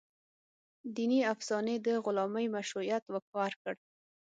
دیني افسانې د غلامۍ مشروعیت ورکړ.